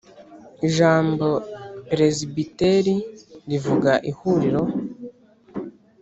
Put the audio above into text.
Ijambo Peresibiteri rivuga ihuriro.